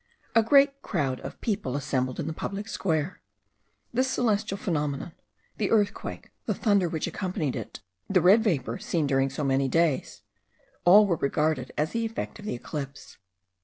A great crowd of people assembled in the public square. This celestial phenomenon, the earthquake, the thunder which accompanied it, the red vapour seen during so many days, all were regarded as the effect of the eclipse.